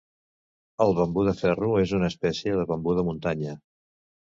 El bambú de ferro és una espècie de bambú de muntanya.